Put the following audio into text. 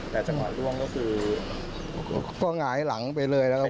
แต่จังหวะล่วงก็คือก็หงายหลังไปเลยนะครับ